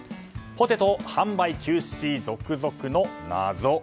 ポテト販売休止、続々の謎。